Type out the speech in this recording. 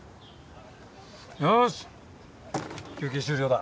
よし休憩終了だ。